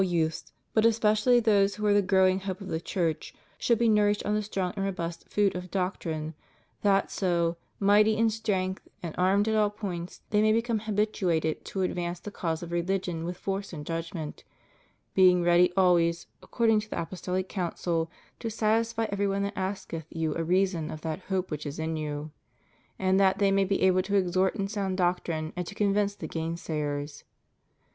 youths, but especially those who are the growing hope of the Church, should be nourished on the strong and robust food of doctrine, that so, mighty in strength and armed at all points, they may become habituated to advance the cause of religion with force and judgment, "being ready always, according to the apostoUc counsel, to satisfy every one that asketh you a reason of that hope which is in you," ^ and that they may be able to exhort in sound doctrine and to convince the gainsayers.'